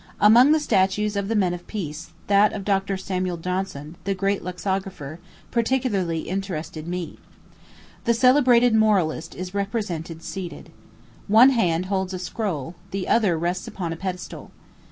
Among the statues of the men of peace, that of Dr. Samuel Johnson, the great lexicographer, particularly interested me. The celebrated moralist is represented seated. One hand holds a scroll, the other rests upon a pedestal.